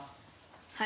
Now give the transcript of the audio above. はい。